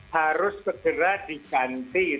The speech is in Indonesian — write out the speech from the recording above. harus segera diganti